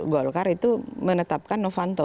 golkar itu menetapkan novanto